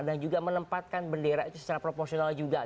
dan juga menempatkan bendera itu secara proporsional juga